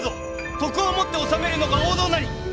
徳をもって治めるのが王道なり！